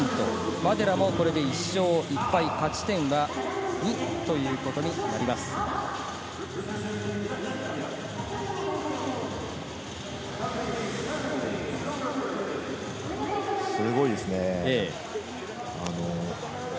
マデラもこれで１勝１敗、勝ち点が２ということになります。